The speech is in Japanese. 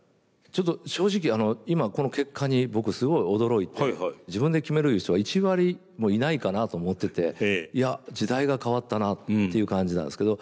ちょっと正直今この結果に僕すごい驚いて「自分で決める」いう人が１割もいないかなと思ってていや時代が変わったなっていう感じなんですけど。